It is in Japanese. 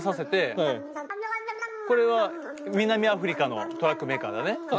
これは南アフリカのトラックメーカーだね左。